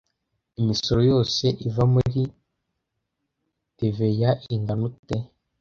Imisoro yose iva muri tva ingana ute